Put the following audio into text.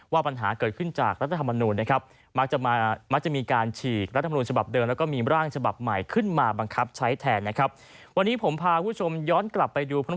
ปัญหาเกิดขึ้นจากรัฐธรรมนูญนะครับ